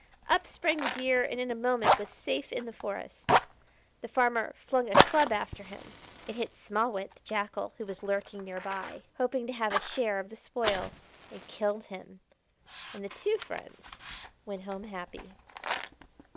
Up sprang the Deer and in a moment was safe in the forest. The farmer flung a club after him; it hit Small Wit, the Jackal, who was lurking near by hoping to have a share of the spoil, and killed him; and the two friends went home happy.